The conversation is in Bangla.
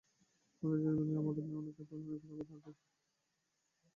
আমাদের দৈনন্দিন জীবনে আমরা অনেকেই পৌরাণিক বা তান্ত্রিক।